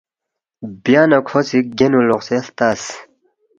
بیا نہ کھو سی گینُو لوقسے ہلتس